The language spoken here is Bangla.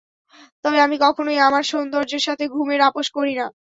তবে আমি কখনই আমার সৌন্দর্যের সাথে ঘুমের আপোষ করি না।